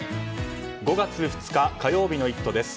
５月２日、火曜日の「イット！」です。